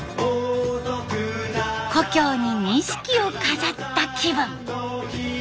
故郷に錦を飾った気分。